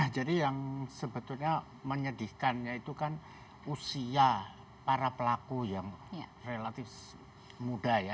jadi yang sebetulnya menyedihkannya itu kan usia para pelaku yang relatif muda ya